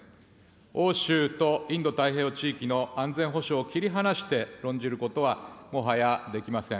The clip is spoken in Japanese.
欧州とインド太平洋地域の安全保障を切り離して論じることは、もはやできません。